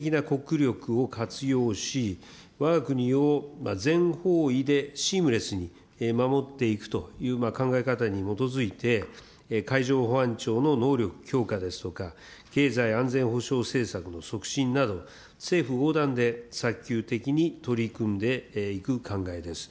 また、総合的な国力を活用し、わが国を全方位でシームレスに守っていくという考え方に基づいて、海上保安庁の能力強化ですとか、経済安全保障政策の促進など、政府横断で早急的に取り組んでいく考えです。